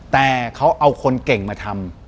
แต่เขาเอาคนเก่งมาทำ